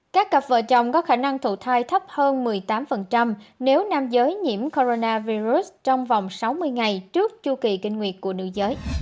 các cặp vợ chồng có khả năng thụ thai thấp hơn một mươi tám nếu nam giới nhiễm corona virus trong vòng sáu mươi ngày trước chu kỳ kinh nguyệt của nữ giới